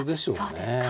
そうですね。